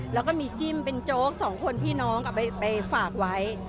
แล้วก็มีจิ้มเป็นโจ๊กสองคนที่น้องเอาไปฝากไว้